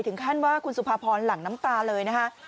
ถึงขั้นว่าคุณสุภาพรหลั่งน้ำตาเลยนะคะ